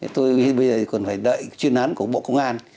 tôi bây giờ còn phải đợi chuyên án của bộ công an